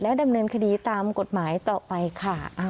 ดำเนินคดีตามกฎหมายต่อไปค่ะ